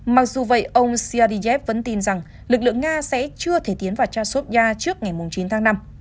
mặc dù vậy ông siadizev vẫn tin rằng lực lượng nga sẽ chưa thể tiến vào chashovia trước ngày chín tháng năm